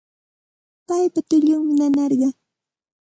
Paypa tullunmi nanarqan